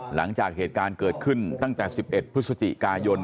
หลังจากเหตุการณ์เกิดขึ้นตั้งแต่๑๑พฤศจิกายน